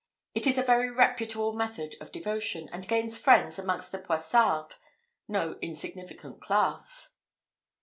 It is a very reputable method of devotion, and gains friends amongst the poissardes, no insignificant class."